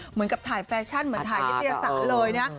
เหมือนกับถ่ายแฟชั่นเหมือนกับเทียร์สัตว์เลยนะ